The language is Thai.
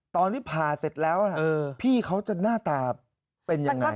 ตอนที่ผ่าเสร็จแล้วพี่เขาจะหน้าตาเป็นยังไง